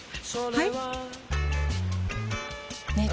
はい！